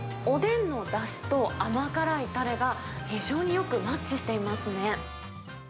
おでんのだしと甘辛いたれが、非常によくマッチしていますね。